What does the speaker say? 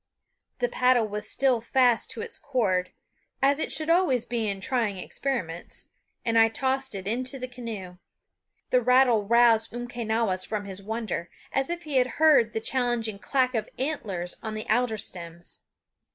The paddle was still fast to its cord as it should always be in trying experiments and I tossed it into the canoe. The rattle roused Umquenawis from his wonder, as if he had heard the challenging clack of antlers on the alder stems.